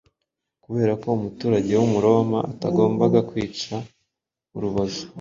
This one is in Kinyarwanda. Kubera ko umuturage w’Umuroma atagombaga kwicwa urubozo,